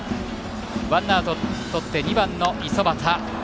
ワンアウトとって２番の五十幡。